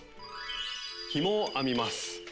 「ひもを編みます」。